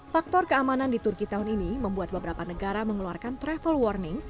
faktor keamanan di turki tahun ini membuat beberapa negara mengeluarkan travel warning